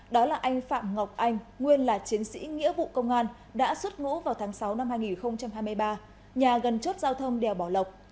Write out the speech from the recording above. đó là anh phạm ngọc anh nguyên là chiến sĩ nghĩa vụ công an đã xuất ngũ vào tháng sáu năm hai nghìn hai mươi ba nhà gần chốt giao thông đèo bảo lộc